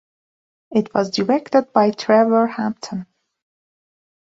It was directed by Trevor Hampton.